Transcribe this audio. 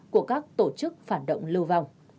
của các tổ chức phản động lưu vọng